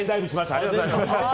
ありがとうございます。